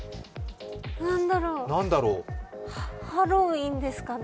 何だろう、ハロウィーンですかね。